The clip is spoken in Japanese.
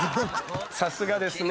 さすがですね。